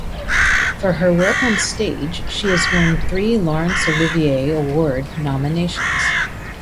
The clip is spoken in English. For her work on stage she has earned three Laurence Olivier Award nominations.